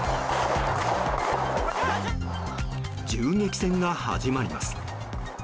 銃撃戦が始まります。